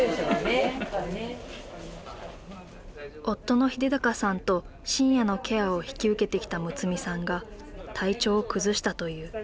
夫の英尚さんと深夜のケアを引き受けてきた睦さんが体調を崩したという。